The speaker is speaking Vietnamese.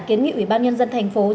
kiến nghị ủy ban nhân dân tp hcm